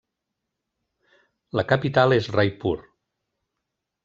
La capital és Raipur.